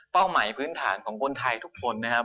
หมายพื้นฐานของคนไทยทุกคนนะครับ